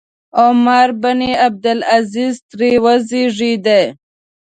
عمر بن عبدالعزیز ترې وزېږېد.